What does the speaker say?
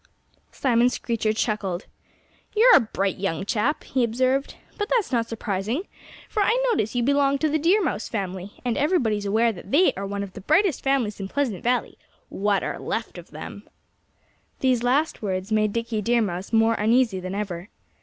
Simon Screecher chuckled. "You're a bright young chap," he observed. "But that's not surprising, for I notice that you belong to the Deer Mouse family, and everybody's aware that they are one of the brightest families in Pleasant Valley what are left of them." These last words made Dickie Deer Mouse more uneasy than ever.